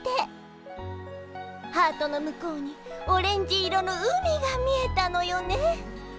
ハートの向こうにオレンジ色の海が見えたのよね。